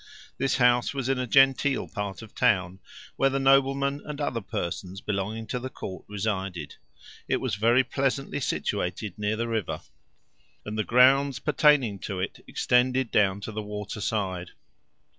This house was in a genteel part of the town, where the noblemen and other persons belonging to the court resided. It was very pleasantly situated near the river, and the grounds pertaining to it extended down to the water side.